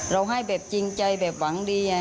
ให้แบบจริงใจแบบหวังดี